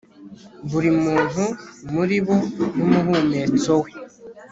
buri muntu muri bo n'umuhumetso we